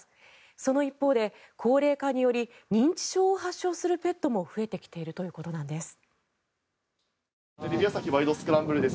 その一方で、高齢化により認知症を発症するペットも増えてきているということなんです。